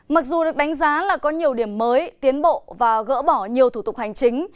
mặc dù được đánh giá là có nhiều điểm mới tiến bộ và gỡ bỏ nhiều thủ tục hành chính